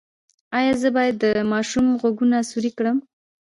ایا زه باید د ماشوم غوږونه سورۍ کړم؟